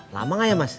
lama gak ya mas